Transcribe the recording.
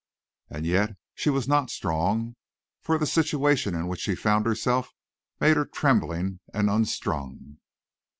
And yet she was not strong, for the situation in which she found herself made her trembling and unstrung.